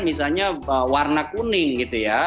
misalnya warna kuning gitu ya